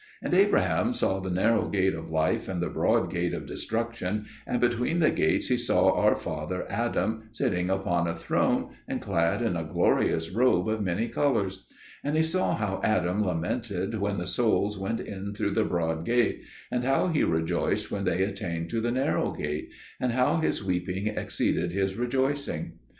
And Abraham saw the narrow gate of life and the broad gate of destruction, and between the gates he saw our father Adam sitting upon a throne, and clad in a glorious robe of many colours; and he saw how Adam lamented when the souls went in through the broad gate, and how he rejoiced when they attained to the narrow gate, and how his weeping exceeded his rejoicing.